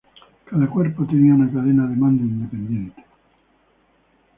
Cada cuerpo tenía una cadena de mando independiente.